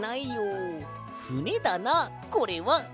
ふねだなこれは。